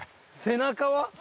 「背中は」。